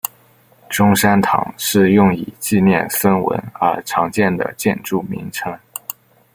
中山堂是用以纪念孙文而常见的建筑名称。